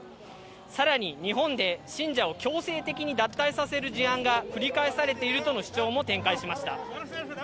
さらに、日本で信者を強制的に脱退させる事案が繰り返されているとの主張を展開しています。